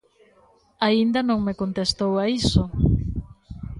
Aínda non me contestou a iso.